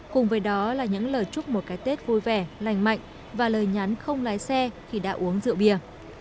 cùng với đó là những lời chúc một cái tết vui vẻ lành mạnh và lời nhắn không lái xe khi đã uống rượu bia